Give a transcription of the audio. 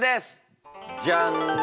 じゃん！